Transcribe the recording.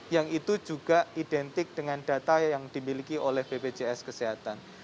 yang itu juga identik dengan data yang dimiliki oleh bpjs kesehatan